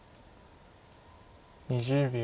２０秒。